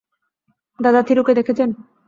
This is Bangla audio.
দাদা, থিরুকে দেখেছেন?